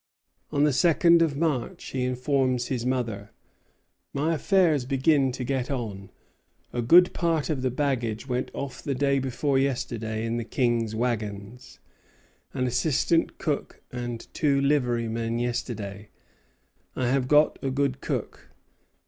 On the second of March he informs his mother, "My affairs begin to get on. A good part of the baggage went off the day before yesterday in the King's wagons; an assistant cook and two liverymen yesterday. I have got a good cook.